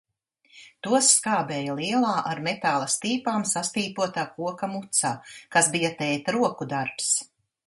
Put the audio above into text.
Tos skābēja lielā, ar metāla stīpām sastīpotā koka mucā, kas bija tēta roku darbs.